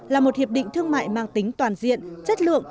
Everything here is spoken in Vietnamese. là một hiệp định thương mại mang tính toàn diện chất lượng